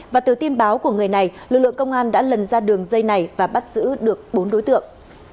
và từ tin báo của người này lực lượng công an đã lần ra đường dây này và bắt giữ được bốn đối tượng